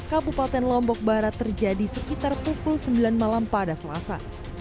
kabupaten lombok barat terjadi sekitar pukul sembilan malam pada selasa